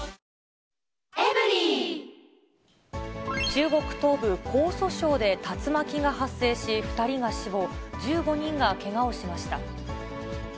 中国東部・江蘇省で、竜巻が発生し、２人が死亡、１５人がけがをしました。